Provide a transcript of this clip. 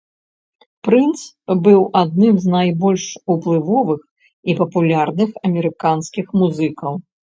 Прынц быў адным з найбольш уплывовых і папулярных амерыканскіх музыкаў.